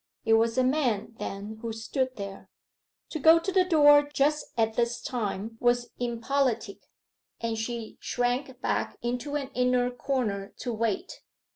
It was a man, then, who stood there. To go to the door just at this time was impolitic, and she shrank back into an inner corner to wait.